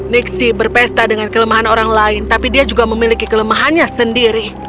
nixi berpesta dengan kelemahan orang lain tapi dia juga memiliki kelemahannya sendiri